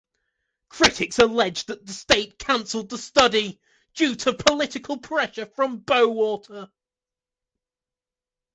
Critics alleged that the state cancelled the study due to political pressure from Bowater.